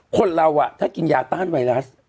คนเราถ้ากินยาต้านไวรัส